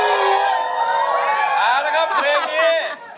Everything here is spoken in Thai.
เอ้าแล้วครับเพลงนี้